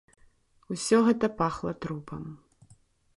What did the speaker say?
Усё гэта пахла трупам.